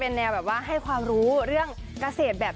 เป็นหัวหน้าเด๋อใช่ไหมครับ